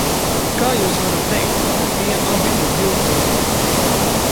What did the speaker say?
Kā jūs varat teikt, ka tie abi ir viltojumi?